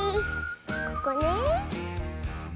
ここねえ。